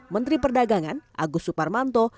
menteri perdagangan agus suparmanto